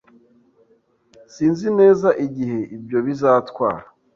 Sinzi neza igihe ibyo bizatwara.